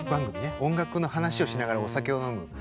音楽の話をしながらお酒を飲む。